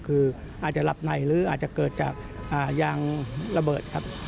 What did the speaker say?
คืออาจจะหลับในหรืออาจจะเกิดจากยางระเบิดครับ